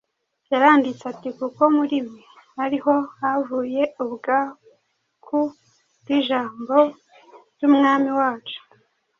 Yaranditse ati : “Kuko muri mwe ariho havuye ubwaku bw’ijambo ry’Umwami wacu;